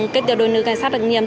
cái tiểu đội nữ cảnh sát đặc nhiệm